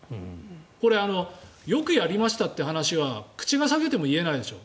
これ、よくやりましたって話は口が裂けても言えないでしょ